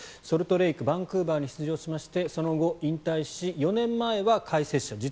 ソルトレーク、バンクーバーに出場しましてその後、引退し４年前は解説者。